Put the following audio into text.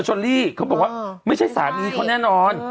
เชอรี่เขาบอกว่าไม่ใช่สามีเขาแน่นอน